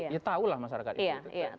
dia tahulah masyarakat itu kan